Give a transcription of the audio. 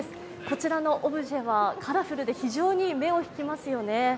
こちらのオブジェはカラフルで非常に目を引きますよね。